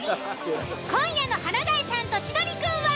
［今夜の『華大さんと千鳥くん』は］